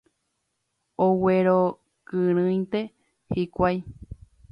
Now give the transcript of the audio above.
Oguerokirĩnte hikuái.